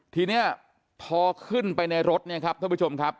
ทีนี้พอขึ้นไปในรถเนี่ยครับท่านผู้ชมครับ